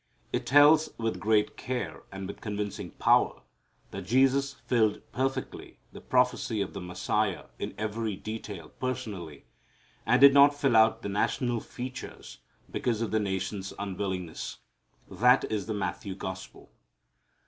It tells with great care and with convincing power that Jesus filled perfectly the prophecy of the Messiah in every detail personally, and did not fill out the national features because of the nation's unwillingness. That is the Matthew Gospel.